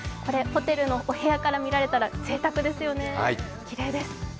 ホテルのお部屋から見られたらぜいたくですよね、きれいです。